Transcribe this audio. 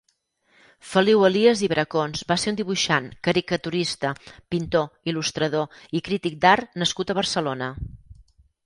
Feliu Elias i Bracons va ser un dibuixant, caricaturista, pintor, il·lustrador i crític d'art nascut a Barcelona.